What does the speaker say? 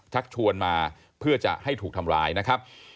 ชักชวนมาเพื่อจะให้ถูกทำร้ายนะครับ